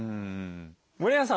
森永さん